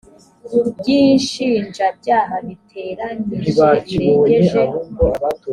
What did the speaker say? by inshinjabyaha biteranyije birengeje